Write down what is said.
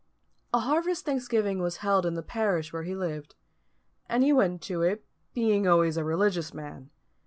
A harvest thanksgiving was held in the parish where he lived; and he went to it, being always a religious man.